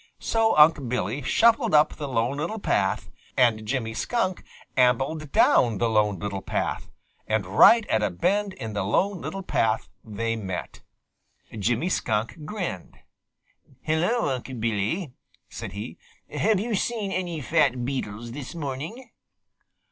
So Unc' Billy shuffled up the Lone Little Path, and Jimmy Skunk ambled down the Lone Little Path, and right at a bend in the Lone Little Path they met. Jimmy Skunk grinned. "Hello, Unc' Billy!" said he. "Have you seen any fat beetles this morning?"